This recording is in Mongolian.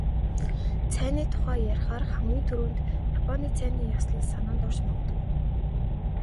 Цайны тухай ярихаар хамгийн түрүүнд "Японы цайны ёслол" санаанд орж магадгүй.